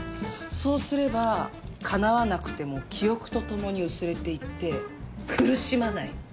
そうすれば叶わなくても記憶と共に薄れていって苦しまないの。